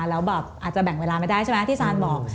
แล้วแบบอาจจะแบ่งเวลาไม่ได้ใช่ไหมที่ซานบอก